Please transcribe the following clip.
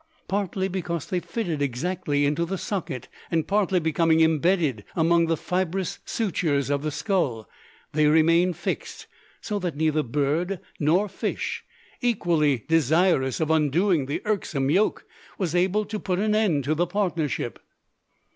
Partly because they fitted exactly into the socket, and partly becoming imbedded among the fibrous sutures of the skull, they remained fixed; so that neither bird nor fish equally desirous of undoing the irksome yoke was able to put an end to the partnership!